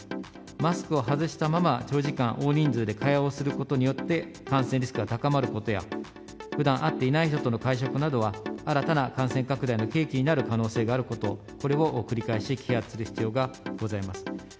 マスクを外したまま、長時間、大人数で会話をすることによって、感染リスクが高まることや、ふだん会っていない人との会食などは、新たな感染拡大の契機になる可能性があること、これを繰り返し啓発する必要がございます。